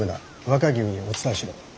若君にお伝えしろ。